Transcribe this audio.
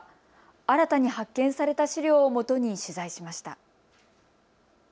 新たに発見された資料をもとに取材しました。